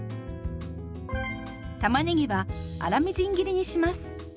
たまねぎは粗みじん切りにします。